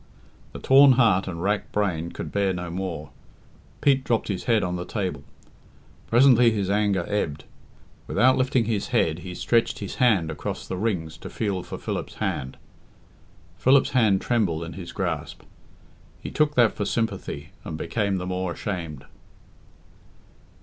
The torn heart and racked brain could bear no more. Pete dropped his head on the table. Presently his anger ebbed. Without lifting his head, he stretched his hand across the rings to feel for Philip's hand. Philip's hand trembled in his grasp. He took that for sympathy, and became the more ashamed.